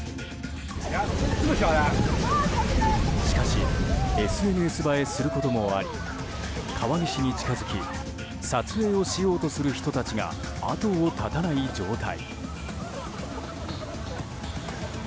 しかしＳＮＳ映えすることもあり川岸に近づき撮影をしようとする人たちが後をたたない状態。